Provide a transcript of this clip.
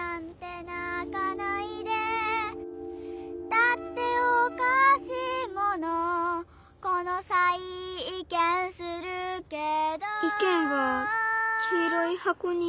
「だっておかしいものこのさい意見するけど」意見はきいろいはこに。